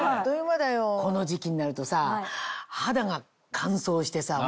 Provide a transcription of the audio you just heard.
この時期になるとさ肌が乾燥してさ